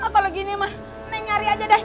kalau gini mah neneng nyari aja deh